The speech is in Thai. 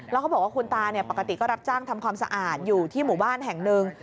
แล้วเขาบอกว่าคุณตาปกติก็รับจ้างทำความสะอาดอยู่ที่หมู่บ้านแห่งหนึ่ง